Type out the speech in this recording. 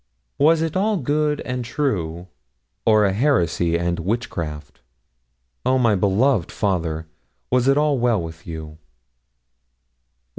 Was it all good and true, or a heresy and a witchcraft? Oh, my beloved father! was it all well with you?